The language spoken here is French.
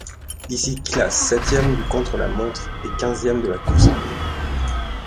Il s'y classe septième du contre-la-montre et quinzième de la course en ligne.